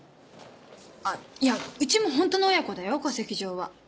あっいやうちも本当の親子だよ戸籍上は。